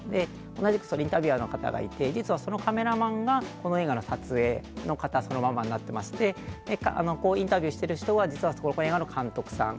同じくインタビュアーの方がいて実は、そのカメラマンがこの映画の撮影の方そのままになっていましてインタビューしている人は実は、この映画の監督さん。